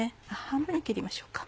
半分に切りましょうか。